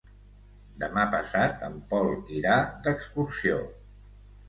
Demà passat en Pol irà d'excursió.